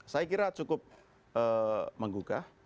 saya kira cukup menggugah